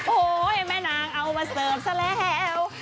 โอ้โหแม่นางเอามาเสิร์ฟซะแล้ว